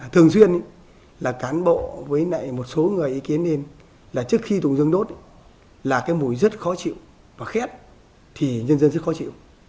thường xuyên là cán bộ với lại một số người ý kiến lên là trước khi tùng dương đốt là cái mùi rất khó chịu và khét thì nhân dân rất khó chịu